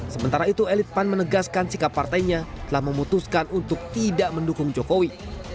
sementara itu elit pan menegaskan sikap partainya telah memutuskan untuk tidak mendukung jokowi